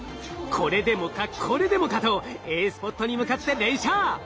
これでもかこれでもかとＡスポットに向かって連射！